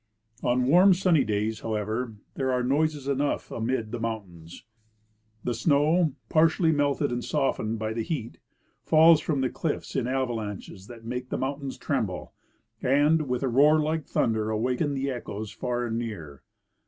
On warm sunny days, however, there are noises enough amid the mountains. The snow, partially melted and softened by the heat, falls from the cliffs in avalanches that make the mountains tremble and, with a roar like thunder, awaken the echoes far and near.